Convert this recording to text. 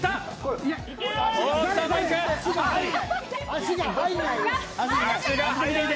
足が入らないよ。